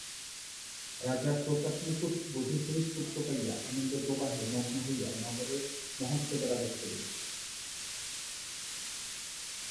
রাজা প্রতাপমুকুট বধূসহিত পুত্র পাইয়া আনন্দপ্রবাহে মগ্ন হইয়া নগরে মহোৎসবের আদেশ করিলেন।